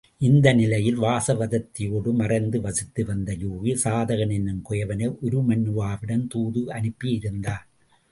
இந்த நிலையில் வாசவதத்தையோடு மறைந்து வசித்து வந்த யூகி, சாதகன் என்னும் குயவனை உருமண்ணுவாவிடம் தூது அனுப்பியிருந்தான்.